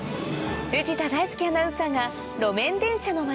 藤田大介アナウンサーが路面電車の街